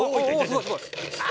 すごいすごい。